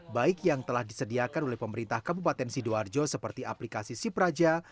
baik yang telah disediakan oleh pemerintah kabupaten sidoarjo seperti aplikasi sipraja